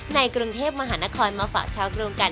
ในกรุงเทพมหานครมาฝากชาวกรุงกัน